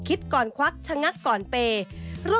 คิดก่อนควักชะงักก่อนเปย์